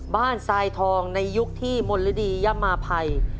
ทรายทองในยุคที่มนฤดียมาภัย